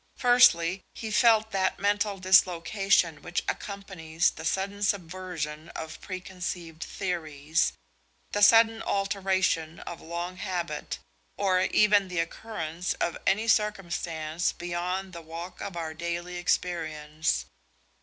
Firstly, he felt that mental dislocation which accompanies the sudden subversion of preconceived theories, the sudden alteration of long habit, or even the occurrence of any circumstance beyond the walk of our daily experience.